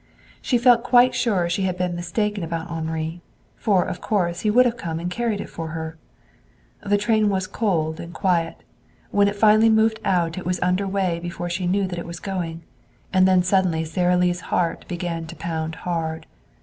She felt quite sure she had been mistaken about Henri, for of course he would have come and carried it for her. The train was cold and quiet. When it finally moved out it was under way before she knew that it was going. And then suddenly Sara Lee's heart began to pound hard.